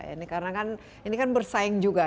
ini karena kan ini kan bersaing juga